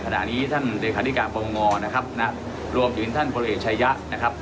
ขณะนี้ท่านในขณะที่การประมงอนะครับนะฮะรวมอยู่ในท่านบริเวศชัยะนะครับ